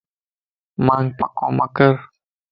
مانک پڪو مَ مڪر